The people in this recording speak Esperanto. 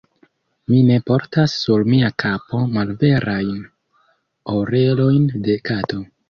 Mi ne portas sur mia kapo malverajn orelojn de kato.